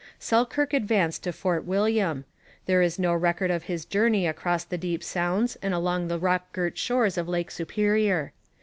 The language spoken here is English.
Selkirk advanced to Fort William. There is no record of his journey across the deep sounds and along the rock girt shores of Lake Superior.